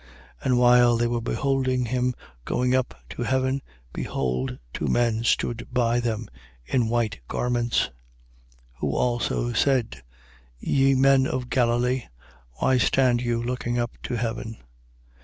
1:10. And while they were beholding him going up to heaven, behold two men stood by them in white garments. 1:11. Who also said: Ye men of Galilee, why stand you looking up to heaven?